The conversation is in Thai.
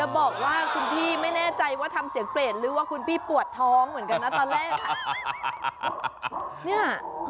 บอกว่าคุณพี่ไม่แน่ใจว่าทำเสียงเปรตหรือว่าคุณพี่ปวดท้องเหมือนกันนะตอนแรก